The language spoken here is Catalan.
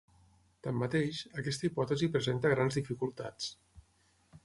Tanmateix, aquesta hipòtesi presenta grans dificultats.